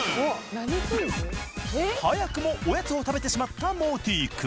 早くもおやつを食べてしまったモーティ君。